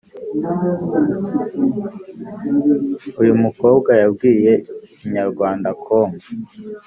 uyu mukobwa yabwiye inyarwandacom